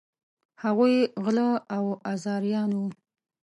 هغوی غله او آزاریان وه.